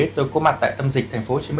tôi có mặt tại tâm dịch tp hcm